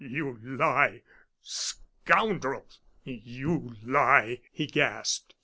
"You lie, scoundrel! you lie!" he gasped.